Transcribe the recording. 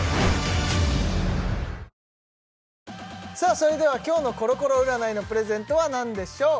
それでは今日のコロコロ占いのプレゼントは何でしょう